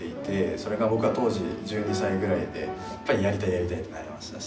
それが僕は当時１２歳ぐらいでやっぱりやりたいやりたいってなりましたし。